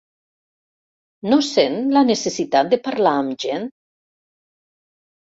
No sent la necessitat de parlar amb gent?